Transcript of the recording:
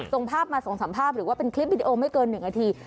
ส่งภาพมา๒๓ภาพหรือว่าเป็นคลิปวิดีโอไม่เกิน๑นาที